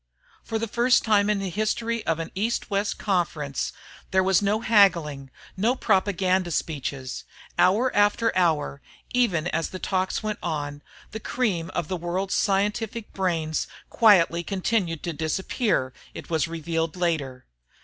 For the first time in the history of an East West conference, there was no haggling, no propaganda speeches. Hour after hour, even as the talks went on, the cream of the world's scientific brains quietly continued to disappear, it was revealed later.